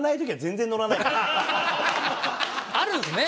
あるんですね？